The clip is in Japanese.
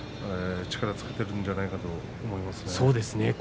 力つけてきているんじゃないかと思いますね。